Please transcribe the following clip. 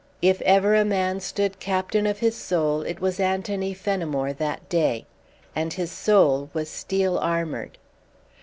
If ever a man stood captain of his soul, it was Anthony Fenimore that day. And his soul was steel armoured.